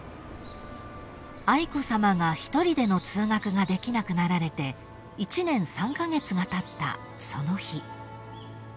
［愛子さまが一人での通学ができなくなられて１年３カ月がたったその日］